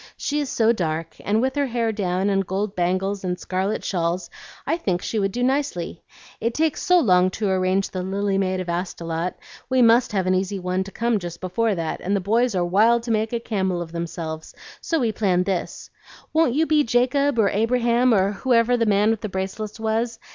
She is so dark, and with her hair down, and gold bangles and scarlet shawls, I think she would do nicely. It takes so long to arrange the 'Lily Maid of Astolat' we MUST have an easy one to come just before that, and the boys are wild to make a camel of themselves, so we planned this. Won't you be Jacob or Abraham or whoever the man with the bracelets was?"